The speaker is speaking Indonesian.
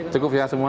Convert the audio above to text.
cukup ya semua